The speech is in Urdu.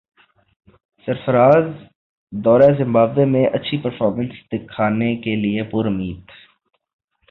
سرفرازدورہ زمبابوے میں اچھی پرفارمنس دکھانے کیلئے پر امید